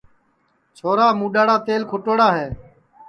چھورا مُڈؔاڑا تیل کُھٹوڑا ہے